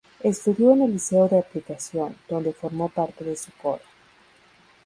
Estudió en el Liceo de Aplicación, donde formó parte de su coro.